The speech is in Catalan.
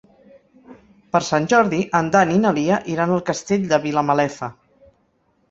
Per Sant Jordi en Dan i na Lia iran al Castell de Vilamalefa.